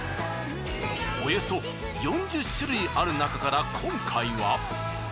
およそ４０種類あるなかから今回は。